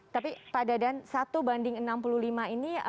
tapi pada dan satu banding enam puluh lima ini